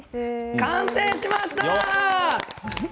完成しました。